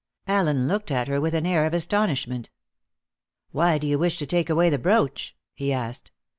Allen looked at her with an air of astonishment. "Why do you wish to take away the brooch?" he asked.